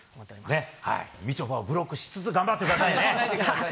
みちょぱをブロックしつつ頑張ってくださいね。